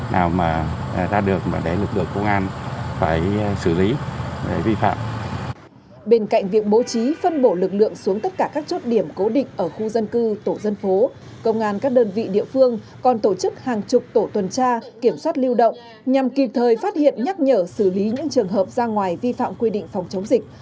bên cạnh việc bố trí phân bổ lực lượng xuống tất cả các chốt điểm cố định ở khu dân cư tổ dân phố công an các đơn vị địa phương còn tổ chức hàng chục tổ tuần tra kiểm soát lưu động nhằm kịp thời phát hiện nhắc nhở xử lý những trường hợp ra ngoài vi phạm quy định phòng chống dịch